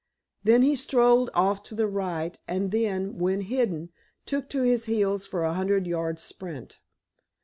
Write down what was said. Then he strolled off to the right, and, when hidden, took to his heels for a hundred yards sprint.